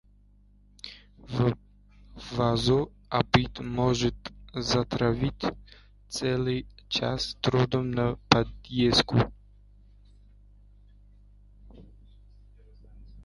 в вазу, а быть может, затратив целый час трудов на подрезку,